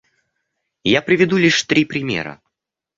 Я приведу лишь три примера.